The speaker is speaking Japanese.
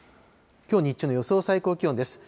きょう日中の予想最高気温です。